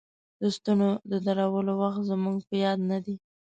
د ستنو د درولو وخت زموږ په یاد نه دی.